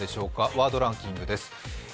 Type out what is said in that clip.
ワードランキングです。